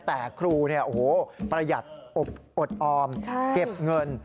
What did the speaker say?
แต่ครูเนี่ยโอ้โหประหยัดอดออมเก็บเงิน